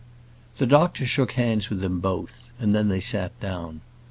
The doctor shook hands with them both, and then they sat down.